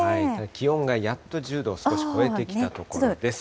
気温がやっと１０度を少し超えてきたところです。